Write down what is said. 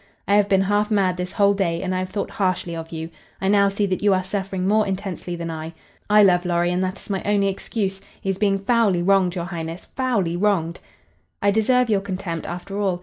"I have been half mad this whole day, and I have thought harshly of you. I now see that you are suffering more intensely than I. I love Lorry, and that is my only excuse. He is being foully wronged, your Highness, foully wronged." "I deserve your contempt, after all.